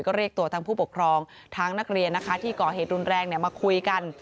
ก็เรียกตัวทั้งผู้ปกครองทั้งนักเรียนนะคะที่ก่อเหตุรุนแรงมาคุยกัน